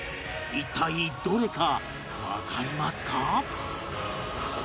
一体どれかわかりますか？